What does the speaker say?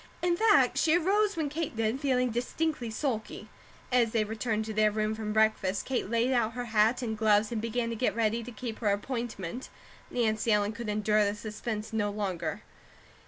In fact, she arose when Kate did, feeling distinctly sulky. As they returned to their room from breakfast, Kate laid out her hat and gloves and began to get ready to keep her appointment. Nancy Ellen could endure the suspense no longer.